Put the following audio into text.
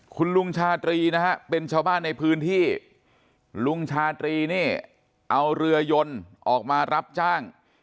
คุณลุงชาตรีนะฮะเป็นชาวบ้านในพื้นที่ลุงชาตรีนี่เอาเรือยนออกมารับจ้าง